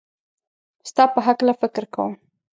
ستا په هکله فکر کوم